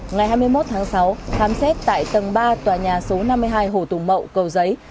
ngày hai mươi một tháng sáu khám xét tại tầng ba tòa nhà số năm mươi hai hồ tùng mậu cầu giấy